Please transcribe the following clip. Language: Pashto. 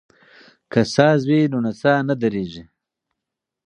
که ساز وي نو نڅا نه ودریږي.